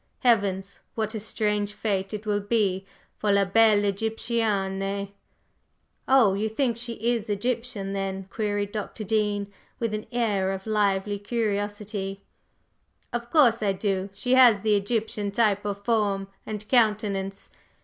Heavens, what a strange fate it will be for la belle Egyptienne!" "Oh, you think she is Egyptian then?" queried Dr. Dean, with an air of lively curiosity. "Of course I do. She has the Egyptian type of form and countenance.